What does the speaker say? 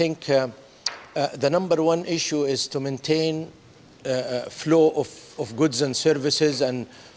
untuk mengembangkan peluang perbuatan dan perusahaan